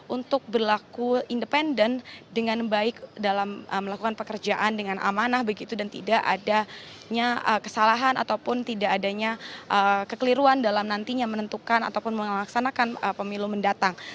untuk berlaku independen dengan baik dalam melakukan pekerjaan dengan amanah begitu dan tidak adanya kesalahan ataupun tidak adanya kekeliruan dalam nantinya menentukan ataupun melaksanakan pemilu mendatang